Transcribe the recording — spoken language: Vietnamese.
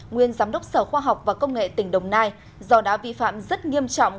nguyên giám đốc sở khoa học và công nghệ tỉnh đồng nai do đã vi phạm rất nghiêm trọng